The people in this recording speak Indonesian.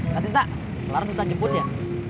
kantisna laras bisa jemput ya